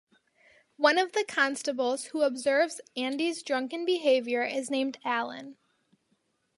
One of the constables who observes Andy's drunken behavior is named Alan.